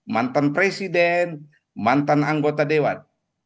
mantan presiden mantan anggota dewan